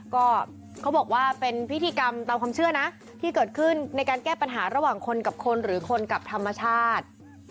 ก็เขาบอกว่าเป็นพิธีกรรมตามความเชื่อนะที่เกิดขึ้นในการแก้ปัญหาระหว่างคนกับคนหรือคนกับธรรมชาติ